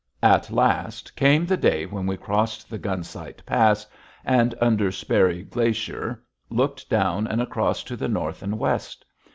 At last came the day when we crossed the Gunsight Pass and, under Sperry Glacier, looked down and across to the north and west.